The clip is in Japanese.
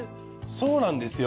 そうなんですよ。